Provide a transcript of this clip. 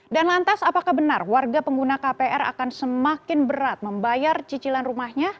dan lantas apakah benar warga pengguna kpr akan semakin berat membayar cicilan rumahnya